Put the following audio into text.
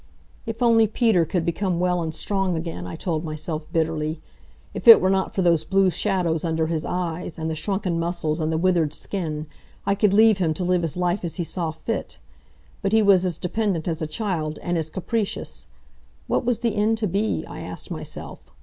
If only Peter could become well and strong again, I told myself, bitterly. If it were not for those blue shadows under his eyes, and the shrunken muscles, and the withered skin, I could leave him to live his life as he saw fit. But he was as dependent as a child, and as capricious. What was the end to be? I asked myself.